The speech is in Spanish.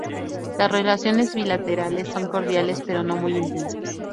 Las relaciones bilaterales son cordiales, pero no muy intensas.